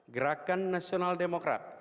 gerakan nasional demokrat